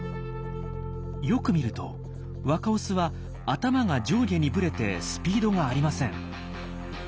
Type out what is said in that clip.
よく見ると若オスは頭が上下にぶれてスピードがありません。